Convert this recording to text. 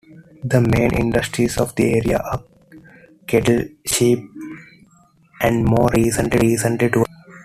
The main industries of the area are cattle, sheep, and, more recently, tourism.